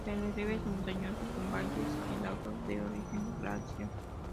El relieve es montañoso, con valles y lagos de origen glaciar.